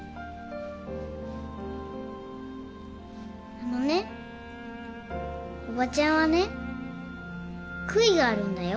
あのねおばちゃんはね悔いがあるんだよ。